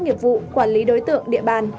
nghiệp vụ quản lý đối tượng địa bàn